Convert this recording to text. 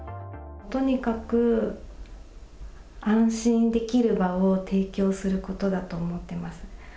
とにかく、安心できる場を提供することだと思ってます。